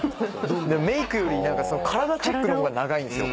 メークより体チェックの方が長いんですよ